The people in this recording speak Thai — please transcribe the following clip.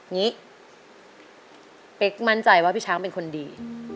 งี้เป๊กมั่นใจว่าพี่ช้างเป็นคนดี